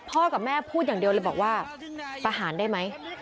กับแม่พูดอย่างเดียวเลยบอกว่าประหารได้ไหม